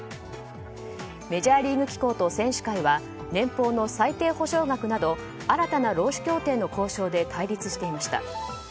メジャーリーグ機構と選手会は年俸の最低保証額など新たな労使協定の締結で対立していました。